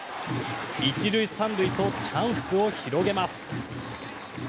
１塁３塁とチャンスを広げます。